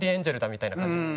みたいな感じで。